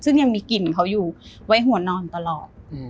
ซึ่งยังมีกลิ่นเขาอยู่ไว้หัวนอนอยู่ตลอด